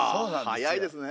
早いですね。